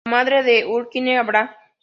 La madre de Ulrike, Dra.